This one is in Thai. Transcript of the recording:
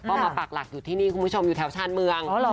ก็มาปากหลักอยู่ที่นี่คุณผู้ชมอยู่แถวชาญเมือง